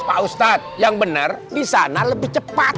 pak ustadz yang benar di sana lebih cepat